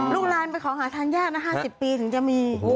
ลูกหลานไปขอหาทานยากนะ๕๐ปีถึงจะมี